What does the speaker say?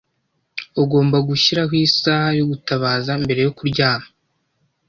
Ugomba gushyiraho isaha yo gutabaza mbere yo kuryama.